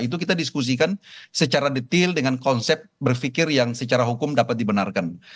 itu kita diskusikan secara detail dengan konsep berpikir yang secara hukum dapat dibenarkan